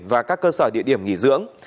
và các cơ sở địa điểm nghỉ dưỡng